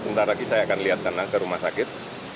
sebentar lagi saya akan lihat karena ke rumah sakit